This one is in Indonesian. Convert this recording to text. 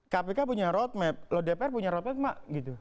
kpk punya roadmap lo dpr punya roadmap mak